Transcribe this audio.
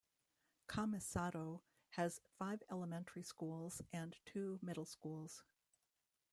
Kamisato has five elementary schools and two middle schools.